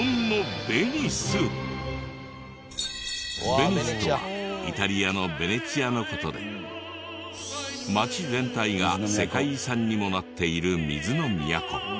ベニスとはイタリアのベネチアの事で街全体が世界遺産にもなっている水の都。